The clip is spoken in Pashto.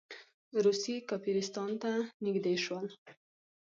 روسیې کافرستان ته نږدې شول.